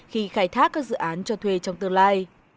khi khai thác các dự án cho thuê trong tương lai